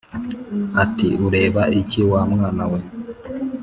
ati ureba iki wa mwana we